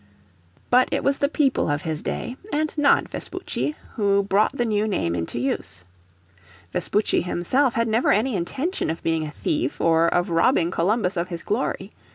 But it was the people of his day, and not Vespucci, who brought the new name into use. Vespucci himself had never any intention of being a thief or of robbing Columbus of his glory.